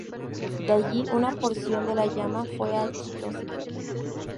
De allí una porción de la llama fue a Chitose.